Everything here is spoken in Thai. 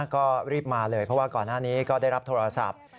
ก็รีบมาเลยเพราะว่าก่อนหน้านี้ก็ได้รับโทรศัพท์